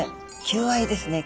求愛ですね。